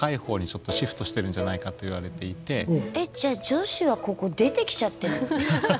じゃあ女子はここ出てきちゃってるの？